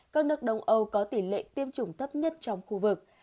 các nước đông âu có tỷ lệ tiêm chủng thấp nhất trong khu vực